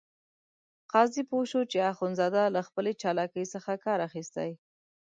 قاضي پوه شو چې اخندزاده له خپلې چالاکۍ څخه کار اخیستی.